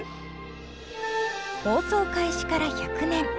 放送開始から１００年